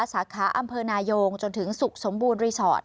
สาขาอำเภอนายงจนถึงสุขสมบูรณ์รีสอร์ท